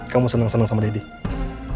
kamu seneng dua sama daddy